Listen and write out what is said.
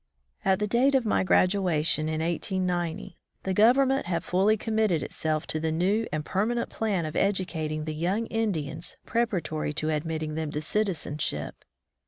At the date of my graduation, in 1890, the Government had fully committed itself to the new and permanent plan of educating the young Indians preparatory to admitting them to citizenship.